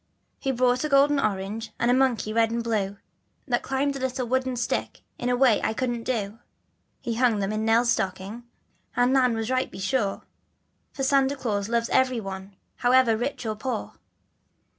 He brought a golden orange, and a monkey red and blue, That climbed a little wooden stick in a way I couldn't do. He hung them in Nell's stocking, and Nan was right, be sure, That Santa Glaus loves every one however rich or poor.